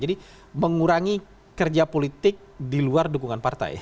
jadi mengurangi kerja politik di luar dukungan partai